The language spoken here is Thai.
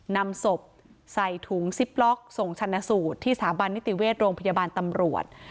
นำศพใส่ถุงซิปล็อกส่งชนะสูตรที่สถาบันนิติเวชโรงพยาบาลตำรวจ